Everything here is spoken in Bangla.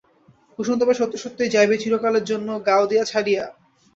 কুসুম তবে সত্য সত্যই যাইবে চিরকালের জন্য গাওদিয়া ছাড়িয়া?